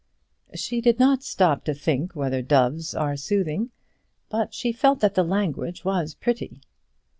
She did not stop to think whether doves are soothing, but she felt that the language was pretty.